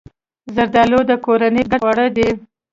زردالو د کورنۍ ګډ خوړ دی.